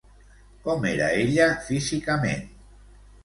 Com era ella, físicament?